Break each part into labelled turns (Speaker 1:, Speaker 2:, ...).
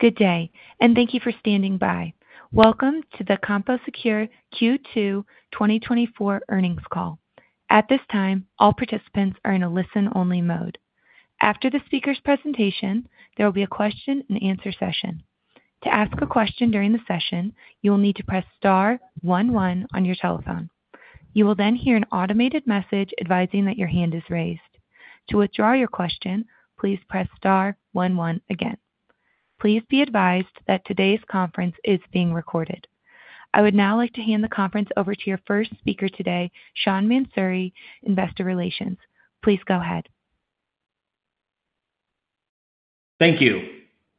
Speaker 1: Good day, and thank you for standing by. Welcome to the CompoSecure Q2 2024 earnings call. At this time, all participants are in a listen-only mode. After the speaker's presentation, there will be a question and answer session. To ask a question during the session, you will need to press star one one on your telephone. You will then hear an automated message advising that your hand is raised. To withdraw your question, please press star one one again. Please be advised that today's conference is being recorded. I would now like to hand the conference over to your first speaker today, Sean Mansouri, Investor Relations. Please go ahead.
Speaker 2: Thank you.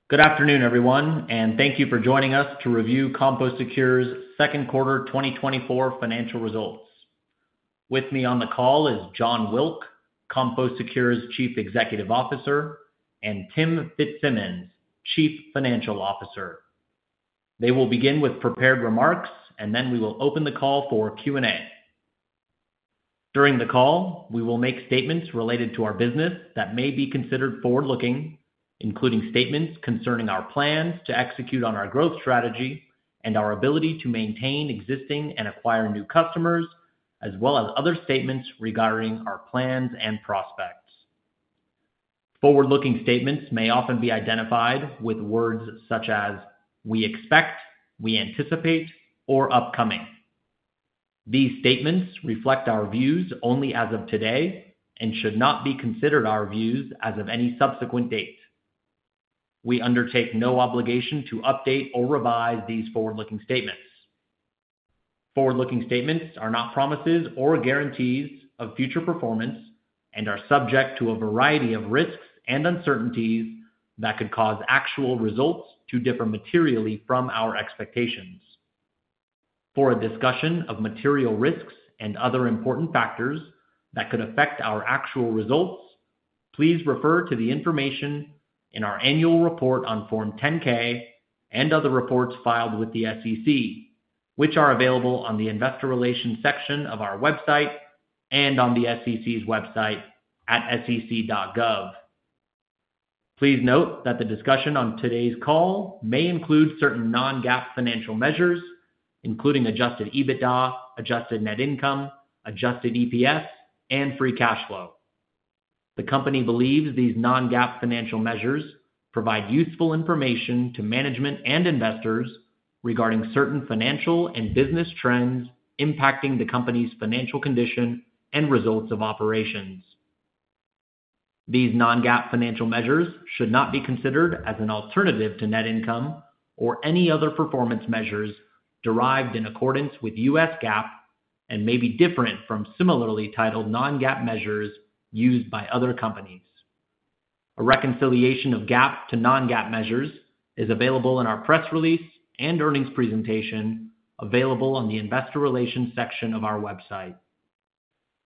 Speaker 2: Good afternoon, everyone, and thank you for joining us to review CompoSecure's second quarter 2024 financial results. With me on the call is Jon Wilk, CompoSecure's Chief Executive Officer, and Tim Fitzsimmons, Chief Financial Officer. They will begin with prepared remarks, and then we will open the call for Q&A. During the call, we will make statements related to our business that may be considered forward-looking, including statements concerning our plans to execute on our growth strategy and our ability to maintain existing and acquire new customers, as well as other statements regarding our plans and prospects. Forward-looking statements may often be identified with words such as "we expect," "we anticipate," or "upcoming." These statements reflect our views only as of today and should not be considered our views as of any subsequent date. We undertake no obligation to update or revise these forward-looking statements. Forward-looking statements are not promises or guarantees of future performance and are subject to a variety of risks and uncertainties that could cause actual results to differ materially from our expectations. For a discussion of material risks and other important factors that could affect our actual results, please refer to the information in our annual report on Form 10-K and other reports filed with the SEC, which are available on the Investor Relations section of our website and on the SEC's website at sec.gov. Please note that the discussion on today's call may include certain non-GAAP financial measures, including Adjusted EBITDA, Adjusted Net Income, Adjusted EPS, and Free Cash Flow. The company believes these non-GAAP financial measures provide useful information to management and investors regarding certain financial and business trends impacting the company's financial condition and results of operations. These non-GAAP financial measures should not be considered as an alternative to net income or any other performance measures derived in accordance with U.S. GAAP and may be different from similarly titled non-GAAP measures used by other companies. A reconciliation of GAAP to non-GAAP measures is available in our press release and earnings presentation, available on the Investor Relations section of our website.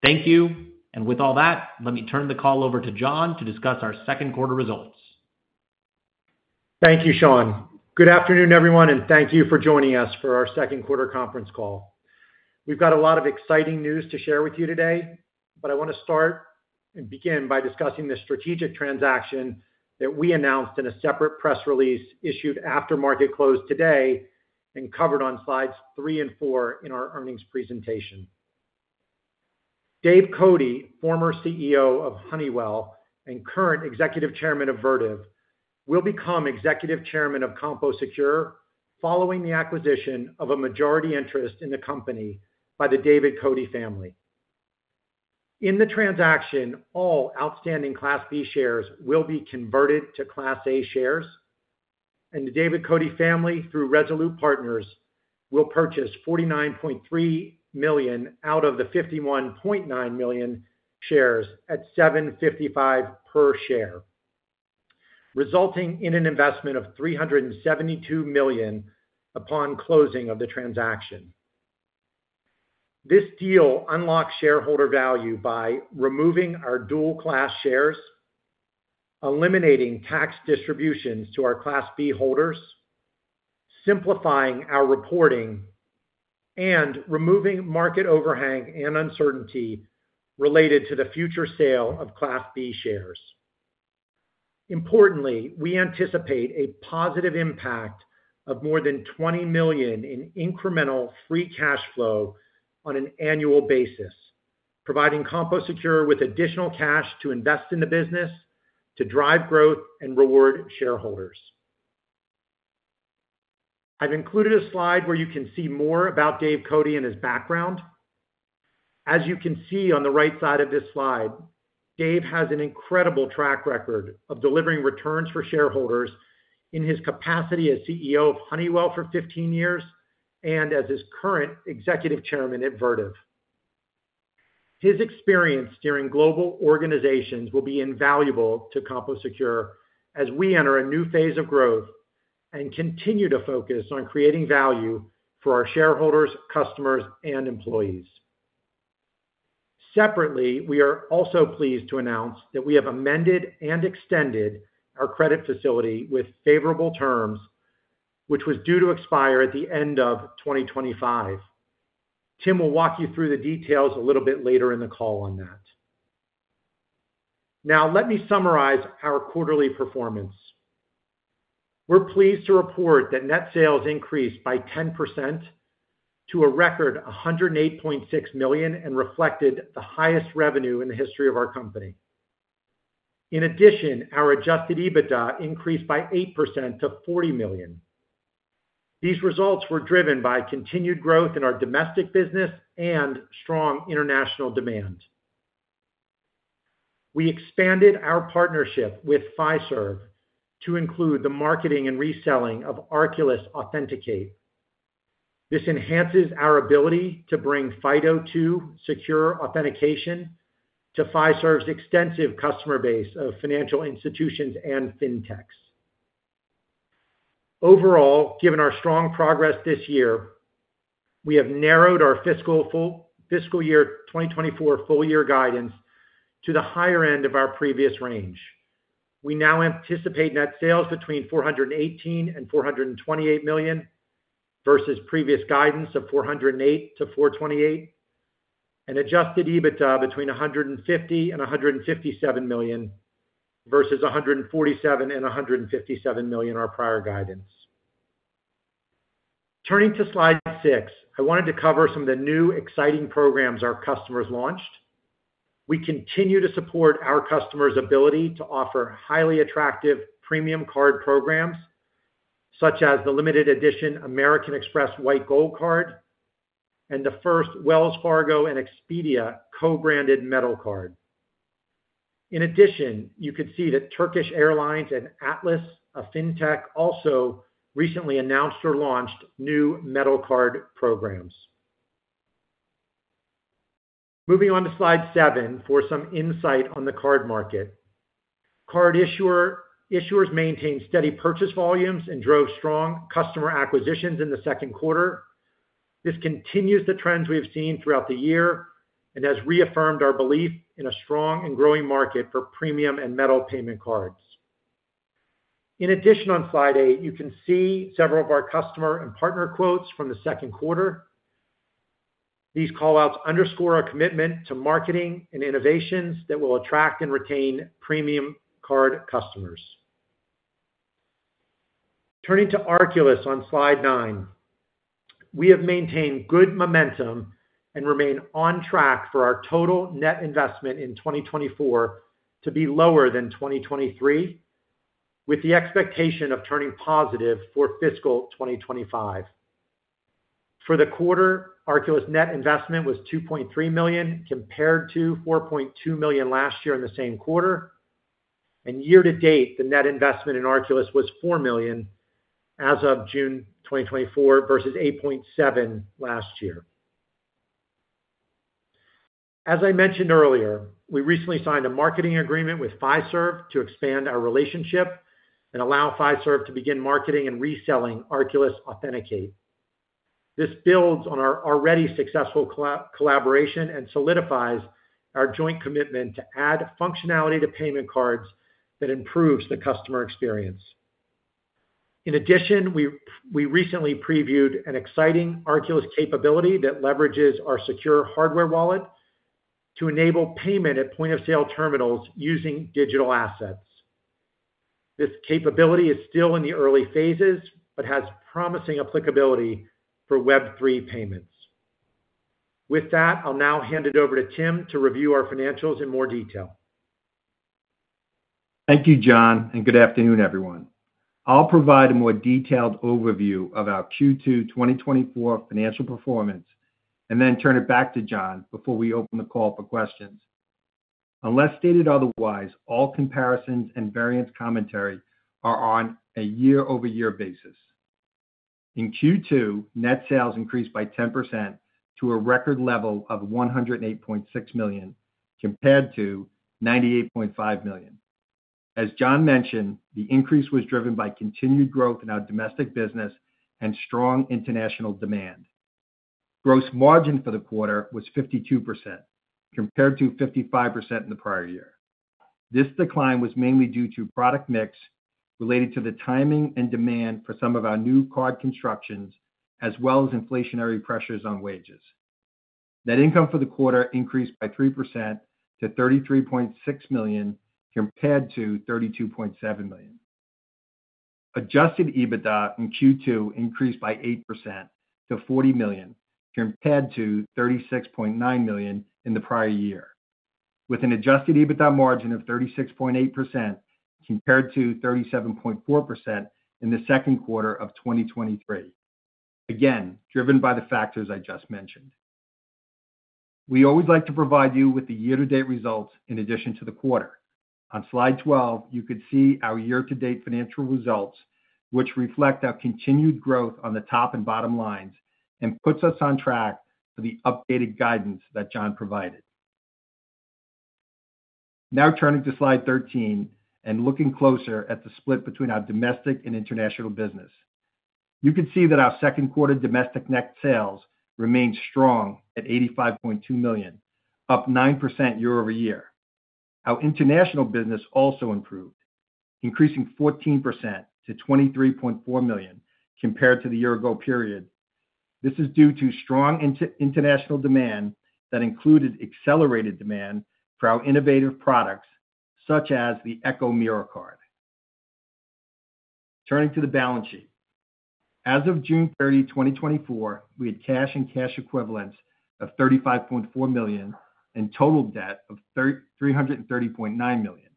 Speaker 2: Thank you, and with all that, let me turn the call over to Jon to discuss our second quarter results.
Speaker 3: Thank you, Sean. Good afternoon, everyone, and thank you for joining us for our second quarter conference call. We've got a lot of exciting news to share with you today, but I want to start and begin by discussing the strategic transaction that we announced in a separate press release issued after market close today and covered on slides three and four in our earnings presentation. Dave Cote, former CEO of Honeywell and current Executive Chairman of Vertiv, will become Executive Chairman of CompoSecure following the acquisition of a majority interest in the company by the David Cote family. In the transaction, all outstanding Class B shares will be converted to Class A shares, and the David Cote family, through Resolute Partners, will purchase 49.3 million out of the 51.9 million shares at $7.55 per share, resulting in an investment of $372 million upon closing of the transaction. This deal unlocks shareholder value by removing our dual-class shares, eliminating tax distributions to our Class B holders, simplifying our reporting, and removing market overhang and uncertainty related to the future sale of Class B shares. Importantly, we anticipate a positive impact of more than $20 million in incremental free cash flow on an annual basis, providing CompoSecure with additional cash to invest in the business, to drive growth and reward shareholders. I've included a slide where you can see more about Dave Cote and his background. As you can see on the right side of this slide, Dave has an incredible track record of delivering returns for shareholders in his capacity as CEO of Honeywell for 15 years and as his current Executive Chairman at Vertiv. His experience steering global organizations will be invaluable to CompoSecure as we enter a new phase of growth and continue to focus on creating value for our shareholders, customers, and employees. Separately, we are also pleased to announce that we have amended and extended our credit facility with favorable terms, which was due to expire at the end of 2025. Tim will walk you through the details a little bit later in the call on that. Now, let me summarize our quarterly performance. We're pleased to report that net sales increased by 10% to a record $108.6 million, and reflected the highest revenue in the history of our company. In addition, our adjusted EBITDA increased by 8% to $40 million. These results were driven by continued growth in our domestic business and strong international demand. We expanded our partnership with Fiserv to include the marketing and reselling of Arculus Authenticate. This enhances our ability to bring FIDO2 secure authentication to Fiserv's extensive customer base of financial institutions and Fintechs. Overall, given our strong progress this year, we have narrowed our fiscal year 2024 full year guidance to the higher end of our previous range. We now anticipate net sales between $418 million and $428 million, versus previous guidance of $408 million to $428 million, and adjusted EBITDA between $150 million and $157 million, versus $147 million and $157 million, our prior guidance. Turning to slide 6, I wanted to cover some of the new exciting programs our customers launched. We continue to support our customers' ability to offer highly attractive premium card programs, such as the limited edition American Express White Gold Card and the first Wells Fargo and Expedia co-branded metal card. In addition, you can see that Turkish Airlines and Atlas, a fintech, also recently announced or launched new metal card programs. Moving on to slide 7 for some insight on the card market. Card issuers maintained steady purchase volumes and drove strong customer acquisitions in the second quarter. This continues the trends we have seen throughout the year and has reaffirmed our belief in a strong and growing market for premium and metal payment cards. In addition, on slide 8, you can see several of our customer and partner quotes from the second quarter. These callouts underscore our commitment to marketing and innovations that will attract and retain premium card customers. Turning to Arculus on slide 9. We have maintained good momentum and remain on track for our total net investment in 2024 to be lower than 2023, with the expectation of turning positive for fiscal 2025. For the quarter, Arculus net investment was $2.3 million, compared to $4.2 million last year in the same quarter. Year to date, the net investment in Arculus was $4 million as of June 2024 versus $8.7 million last year. As I mentioned earlier, we recently signed a marketing agreement with Fiserv to expand our relationship and allow Fiserv to begin marketing and reselling Arculus Authenticate. This builds on our already successful collaboration and solidifies our joint commitment to add functionality to payment cards that improves the customer experience. In addition, we recently previewed an exciting Arculus capability that leverages our secure hardware wallet to enable payment at point-of-sale terminals using digital assets. This capability is still in the early phases, but has promising applicability for Web3 payments. With that, I'll now hand it over to Tim to review our financials in more detail.
Speaker 4: Thank you, Jon, and good afternoon, everyone. I'll provide a more detailed overview of our Q2 2024 financial performance and then turn it back to Jon before we open the call for questions. Unless stated otherwise, all comparisons and variance commentary are on a year-over-year basis. In Q2, net sales increased by 10% to a record level of $108.6 million, compared to $98.5 million. As Jon mentioned, the increase was driven by continued growth in our domestic business and strong international demand. Gross margin for the quarter was 52%, compared to 55% in the prior year. This decline was mainly due to product mix related to the timing and demand for some of our new card constructions, as well as inflationary pressures on wages. Net income for the quarter increased by 3% to $33.6 million, compared to $32.7 million. Adjusted EBITDA in Q2 increased by 8% to $40 million, compared to $36.9 million in the prior year, with an adjusted EBITDA margin of 36.8% compared to 37.4% in the second quarter of 2023. Again, driven by the factors I just mentioned. We always like to provide you with the year-to-date results in addition to the quarter. On slide 12, you can see our year-to-date financial results, which reflect our continued growth on the top and bottom lines and puts us on track for the updated guidance that Jon provided. Now turning to slide 13 and looking closer at the split between our domestic and international business. You can see that our second quarter domestic net sales remained strong at $85.2 million, up 9% year-over-year. Our international business also improved, increasing 14% to $23.4 million compared to the year-ago period. This is due to strong international demand that included accelerated demand for our innovative products, such as the Echo Mirror Card. Turning to the balance sheet. As of June 30, 2024, we had cash and cash equivalents of $35.4 million and total debt of $330.9 million.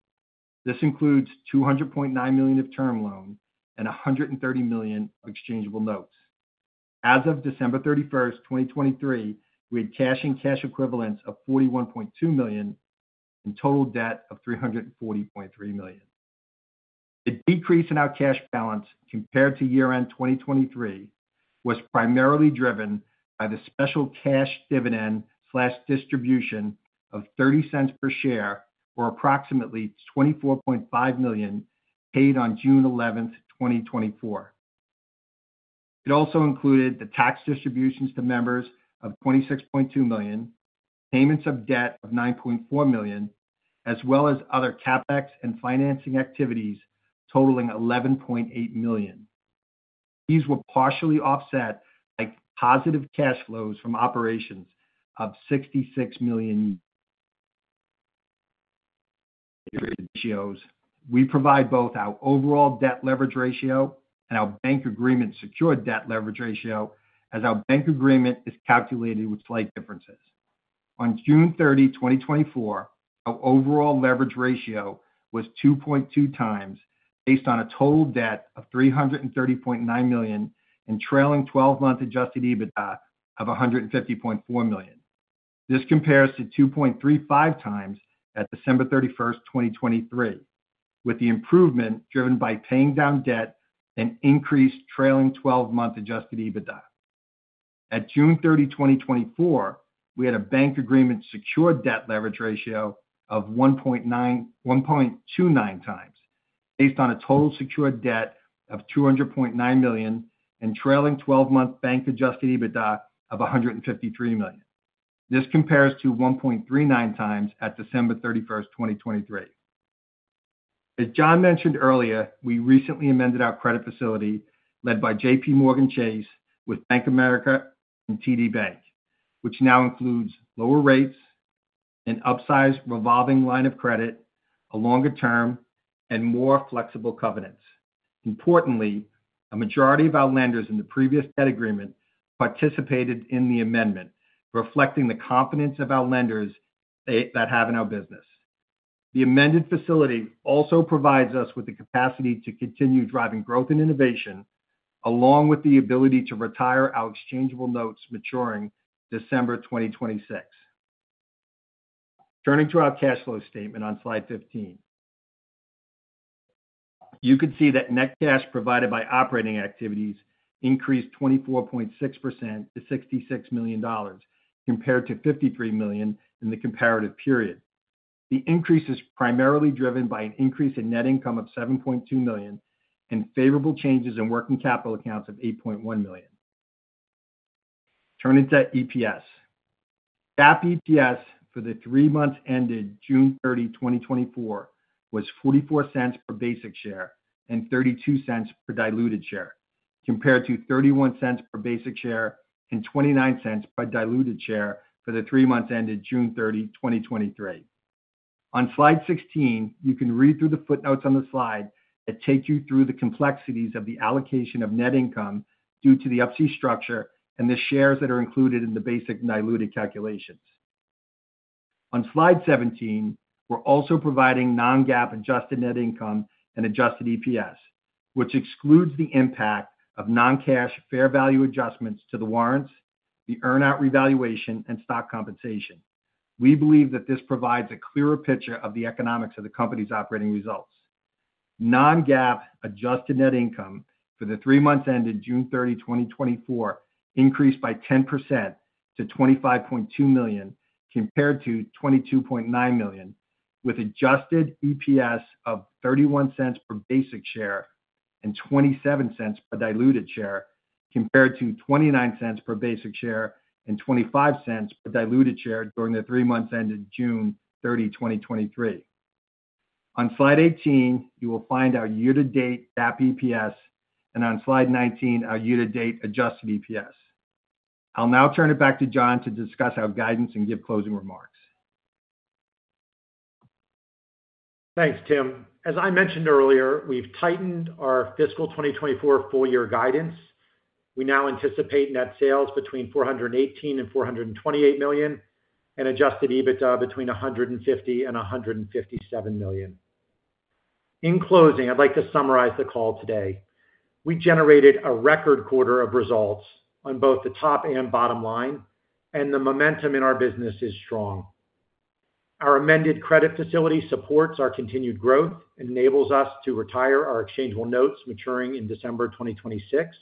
Speaker 4: This includes $200.9 million of term loans and $130 million of exchangeable notes. As of December 31st, 2023, we had cash and cash equivalents of $41.2 million and total debt of $340.3 million. The decrease in our cash balance compared to year-end 2023 was primarily driven by the special cash dividend slash distribution of $0.30 per share, or approximately $24.5 million, paid on June 11, 2024. It also included the tax distributions to members of $26.2 million, payments of debt of $9.4 million, as well as other CapEx and financing activities totaling $11.8 million. These were partially offset by positive cash flows from operations of $66 million. Ratios. We provide both our overall debt leverage ratio and our bank agreement secured debt leverage ratio, as our bank agreement is calculated with slight differences. On June 30, 2024, our overall leverage ratio was 2.2x, based on a total debt of $330.9 million and trailing twelve-month adjusted EBITDA of $150.4 million. This compares to 2.35x at December 31, 2023, with the improvement driven by paying down debt and increased trailing twelve-month adjusted EBITDA. At June 30, 2024, we had a bank agreement secured debt leverage ratio of 1.29x, based on a total secured debt of $200.9 million and trailing twelve-month bank adjusted EBITDA of $153 million. This compares to 1.39x at December 31, 2023. As Jon mentioned earlier, we recently amended our credit facility, led by JPMorgan Chase with Bank of America and TD Bank, which now includes lower rates, an upsized revolving line of credit, a longer term, and more flexible covenants. Importantly, a majority of our lenders in the previous debt agreement participated in the amendment, reflecting the confidence of our lenders, they, that have in our business. The amended facility also provides us with the capacity to continue driving growth and innovation, along with the ability to retire our exchangeable notes maturing December 2026. Turning to our cash flow statement on slide 15. You can see that net cash provided by operating activities increased 24.6% to $66 million, compared to $53 million in the comparative period. The increase is primarily driven by an increase in net income of $7.2 million and favorable changes in working capital accounts of $8.1 million. Turning to EPS. GAAP EPS for the three months ended June 30, 2024, was $0.44 per basic share and $0.32 per diluted share, compared to $0.31 per basic share and $0.29 per diluted share for the three months ended June 30, 2023. On slide 16, you can read through the footnotes on the slide that take you through the complexities of the allocation of net income due to the Up-C structure and the shares that are included in the basic diluted calculations. On slide 17, we're also providing non-GAAP adjusted net income and adjusted EPS, which excludes the impact of non-cash fair value adjustments to the warrants, the earn-out revaluation, and stock compensation. We believe that this provides a clearer picture of the economics of the company's operating results. Non-GAAP adjusted net income for the three months ended June 30, 2024, increased by 10% to $25.2 million, compared to $22.9 million, with adjusted EPS of $0.31 per basic share and $0.27 per diluted share, compared to $0.29 per basic share and $0.25 per diluted share during the three months ended June 30, 2023. On slide 18, you will find our year-to-date GAAP EPS, and on slide 19, our year-to-date adjusted EPS. I'll now turn it back to Jon to discuss our guidance and give closing remarks.
Speaker 3: Thanks, Tim. As I mentioned earlier, we've tightened our fiscal 2024 full year guidance. We now anticipate net sales between $418 million and $428 million, and adjusted EBITDA between $150 million and $157 million. In closing, I'd like to summarize the call today. We generated a record quarter of results on both the top and bottom line, and the momentum in our business is strong. Our amended credit facility supports our continued growth and enables us to retire our exchangeable notes maturing in December 2026.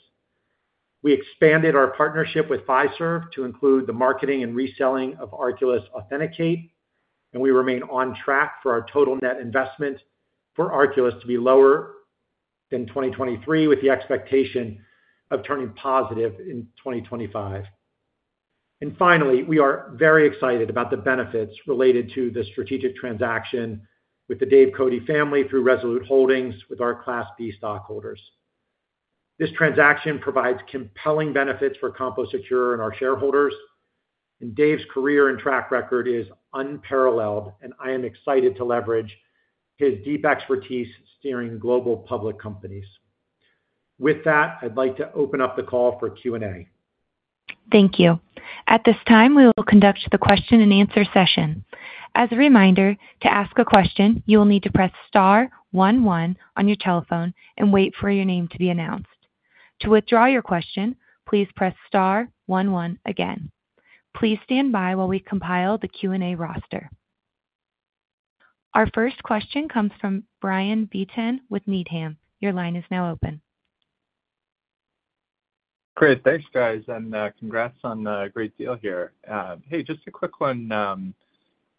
Speaker 3: We expanded our partnership with Fiserv to include the marketing and reselling of Arculus Authenticate, and we remain on track for our total net investment for Arculus to be lower than 2023, with the expectation of turning positive in 2025. Finally, we are very excited about the benefits related to the strategic transaction with the Dave Cote family through Resolute Partners with our Class B stockholders. This transaction provides compelling benefits for CompoSecure and our shareholders, and Dave's career and track record is unparalleled, and I am excited to leverage his deep expertise steering global public companies. With that, I'd like to open up the call for Q&A.
Speaker 1: Thank you. At this time, we will conduct the question-and-answer session. As a reminder, to ask a question, you will need to press star one one on your telephone and wait for your name to be announced. To withdraw your question, please press star one one again. Please stand by while we compile the Q&A roster. Our first question comes from Brian Viton with Needham. Your line is now open.
Speaker 5: Great. Thanks, guys, and congrats on the great deal here. Hey, just a quick one.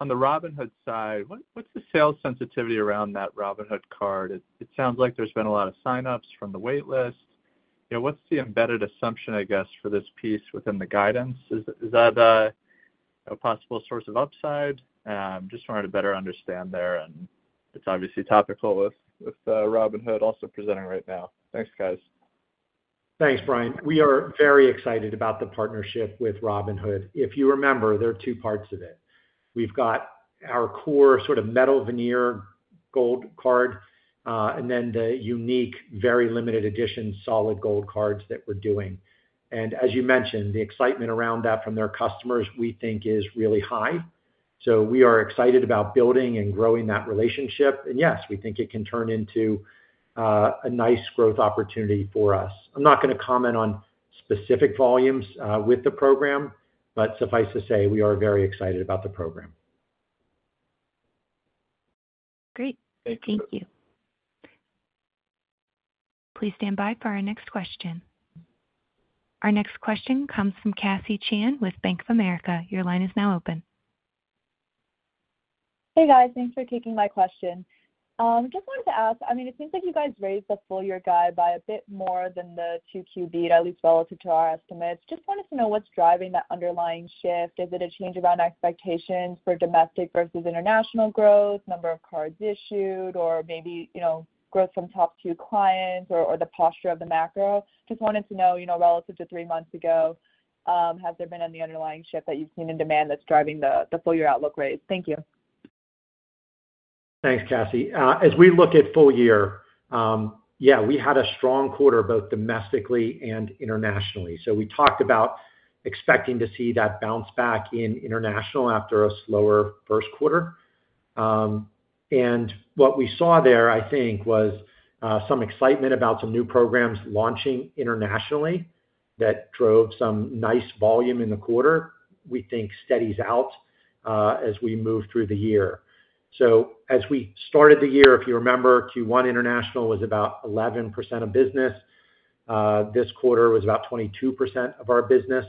Speaker 5: On the Robinhood side, what's the sales sensitivity around that Robinhood card? It sounds like there's been a lot of signups from the wait list. You know, what's the embedded assumption, I guess, for this piece within the guidance? Is that a possible source of upside? Just wanted to better understand there, and it's obviously topical with Robinhood also presenting right now. Thanks, guys.
Speaker 3: Thanks, Brian. We are very excited about the partnership with Robinhood. If you remember, there are two parts of it. We've got our core sort of metal veneer gold card, and then the unique, very limited edition, solid gold cards that we're doing. And as you mentioned, the excitement around that from their customers, we think is really high. So we are excited about building and growing that relationship. And yes, we think it can turn into a nice growth opportunity for us. I'm not gonna comment on specific volumes with the program, but suffice to say, we are very excited about the program.
Speaker 5: Great.
Speaker 3: Thank you.
Speaker 1: Thank you. Please stand by for our next question. Our next question comes from Cassie Chan with Bank of America. Your line is now open.
Speaker 6: Hey, guys. Thanks for taking my question. Just wanted to ask, I mean, it seems like you guys raised the full year guide by a bit more than the 2Q, at least relative to our estimates. Just wanted to know what's driving that underlying shift. Is it a change around expectations for domestic versus international growth, number of cards issued, or maybe, you know, growth from top two clients or, or the posture of the macro? Just wanted to know, you know, relative to three months ago, has there been any underlying shift that you've seen in demand that's driving the full year outlook rate? Thank you.
Speaker 3: Thanks, Cassie. As we look at full year, yeah, we had a strong quarter, both domestically and internationally. So we talked about expecting to see that bounce back in international after a slower first quarter. And what we saw there, I think, was some excitement about some new programs launching internationally that drove some nice volume in the quarter. We think steadies out as we move through the year. So as we started the year, if you remember, Q1 international was about 11% of business. This quarter was about 22% of our business.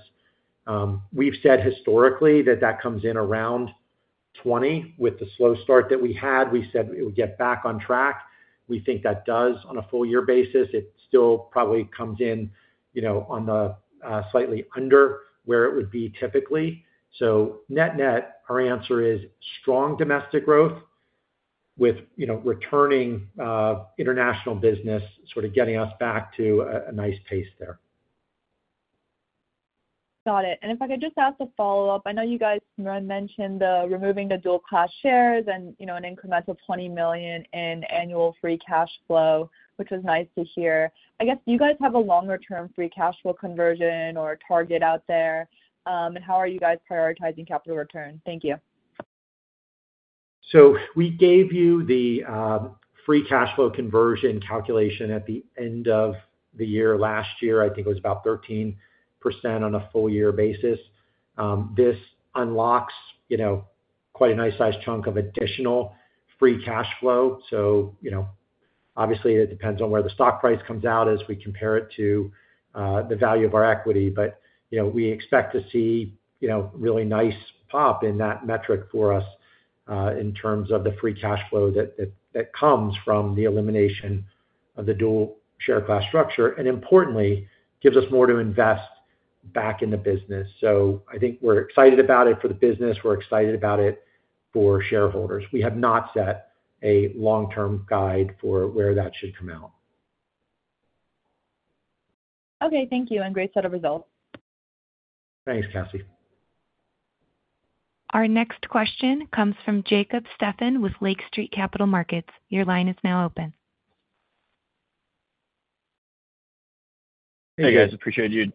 Speaker 3: We've said historically that that comes in around 20. With the slow start that we had, we said we would get back on track. We think that does, on a full year basis, it still probably comes in, you know, on the slightly under where it would be typically. So net-net, our answer is strong domestic growth with, you know, returning international business, sort of getting us back to a nice pace there.
Speaker 6: Got it. And if I could just ask a follow-up. I know you guys mentioned the removing the dual class shares and, you know, an incremental $20 million in annual free cash flow, which is nice to hear. I guess, do you guys have a longer term free cash flow conversion or target out there? And how are you guys prioritizing capital return? Thank you.
Speaker 3: So we gave you the free cash flow conversion calculation at the end of the year. Last year, I think it was about 13% on a full year basis. This unlocks, you know, quite a nice size chunk of additional free cash flow. So, you know, obviously, it depends on where the stock price comes out as we compare it to the value of our equity. But, you know, we expect to see, you know, really nice pop in that metric for us in terms of the free cash flow that comes from the elimination of the dual share class structure, and importantly, gives us more to invest back in the business. So I think we're excited about it for the business. We're excited about it for shareholders. We have not set a long-term guide for where that should come out.
Speaker 6: Okay, thank you, and great set of results.
Speaker 3: Thanks, Cassie.
Speaker 1: Our next question comes from Jacob Stephan with Lake Street Capital Markets. Your line is now open.
Speaker 7: Hey, guys, I appreciate you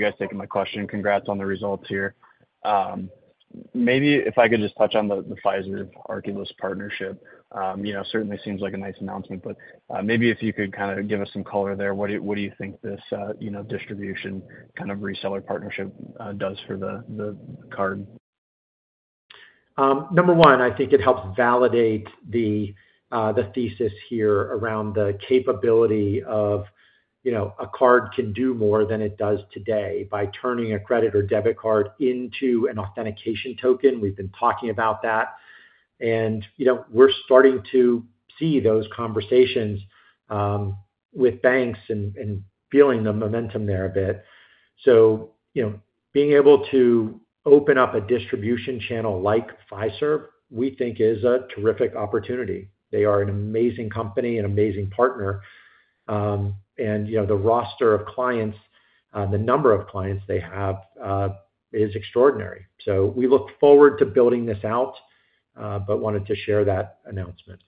Speaker 7: guys taking my question, and congrats on the results here. Maybe if I could just touch on the, the Fiserv Arculus partnership. You know, certainly seems like a nice announcement, but maybe if you could kind of give us some color there. What do you think this, you know, distribution kind of reseller partnership does for the card?
Speaker 3: Number one, I think it helps validate the thesis here around the capability of, you know, a card can do more than it does today by turning a credit or debit card into an authentication token. We've been talking about that.... and, you know, we're starting to see those conversations with banks and feeling the momentum there a bit. So, you know, being able to open up a distribution channel like Fiserv, we think is a terrific opportunity. They are an amazing company, an amazing partner. And, you know, the roster of clients, the number of clients they have, is extraordinary. So we look forward to building this out, but wanted to share that announcement.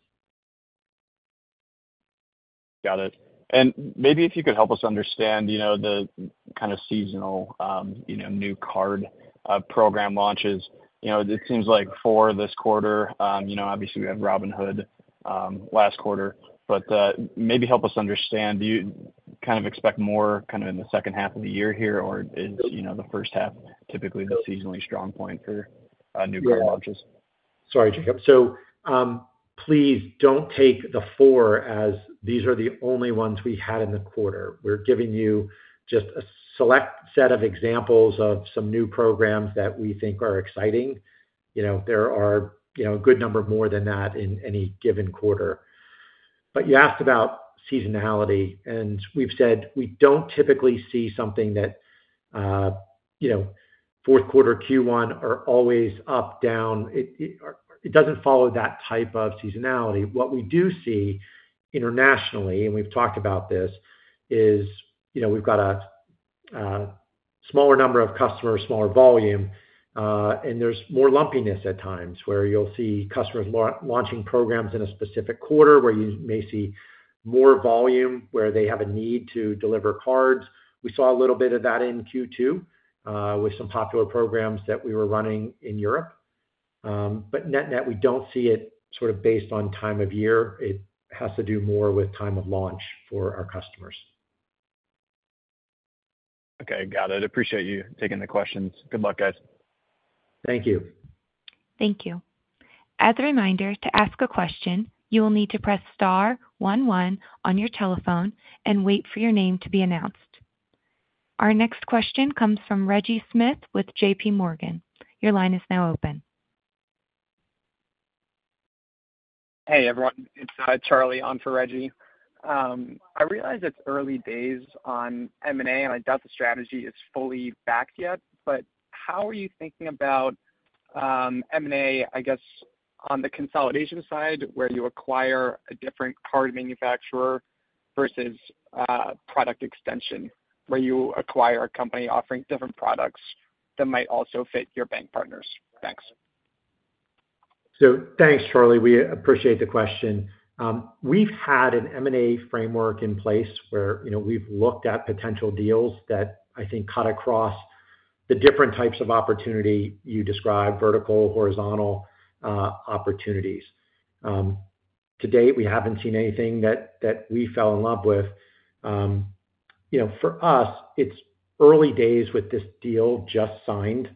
Speaker 7: Got it. And maybe if you could help us understand, you know, the kind of seasonal, you know, new card program launches. You know, it seems like four this quarter. You know, obviously, we have Robinhood last quarter, but maybe help us understand, do you kind of expect more kind of in the second half of the year here, or is, you know, the first half typically the seasonally strong point for new card launches?
Speaker 3: Sorry, Jacob. So, please don't take the 4 as these are the only ones we had in the quarter. We're giving you just a select set of examples of some new programs that we think are exciting. You know, there are, you know, a good number more than that in any given quarter. But you asked about seasonality, and we've said we don't typically see something that, you know, fourth quarter, Q1 are always up, down. It doesn't follow that type of seasonality. What we do see internationally, and we've talked about this, is, you know, we've got a smaller number of customers, smaller volume, and there's more lumpiness at times, where you'll see customers launching programs in a specific quarter, where you may see more volume, where they have a need to deliver cards. We saw a little bit of that in Q2, with some popular programs that we were running in Europe. But net-net, we don't see it sort of based on time of year. It has to do more with time of launch for our customers.
Speaker 7: Okay, got it. I appreciate you taking the questions. Good luck, guys.
Speaker 3: Thank you.
Speaker 1: Thank you. As a reminder, to ask a question, you will need to press star one one on your telephone and wait for your name to be announced. Our next question comes from Reggie Smith with JPMorgan. Your line is now open.
Speaker 8: Hey, everyone, it's Charlie on for Reggie. I realize it's early days on M&A, and I doubt the strategy is fully backed yet, but how are you thinking about M&A, I guess, on the consolidation side, where you acquire a different card manufacturer versus product extension, where you acquire a company offering different products that might also fit your bank partners? Thanks.
Speaker 3: So thanks, Charlie. We appreciate the question. We've had an M&A framework in place where, you know, we've looked at potential deals that I think cut across the different types of opportunity you described, vertical, horizontal, opportunities. To date, we haven't seen anything that we fell in love with. You know, for us, it's early days with this deal, just signed.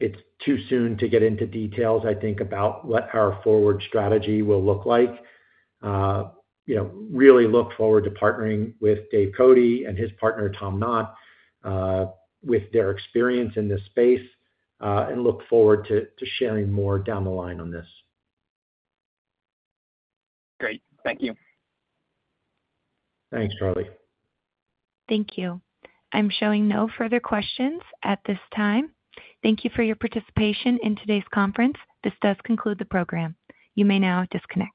Speaker 3: It's too soon to get into details, I think, about what our forward strategy will look like. You know, really look forward to partnering with Dave Cote and his partner, Tom Knott, with their experience in this space, and look forward to sharing more down the line on this.
Speaker 8: Great. Thank you.
Speaker 3: Thanks, Charlie.
Speaker 1: Thank you. I'm showing no further questions at this time. Thank you for your participation in today's conference. This does conclude the program. You may now disconnect.